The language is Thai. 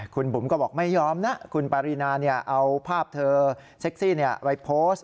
คุณบุ๋มก็บอกไม่ยอมนะคุณปารีนาเอาภาพเธอเซ็กซี่ไปโพสต์